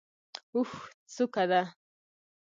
اوښ څوکه ده.